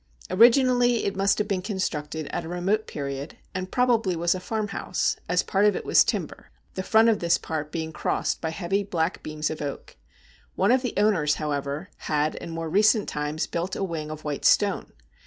Originally it must have been constructed at a remote period, and probably was a farmhouse, as part of it was timber, the front of this part being crossed by heavy black beams of oak. One of the owners, however, had in more recent times built a wing of white stone.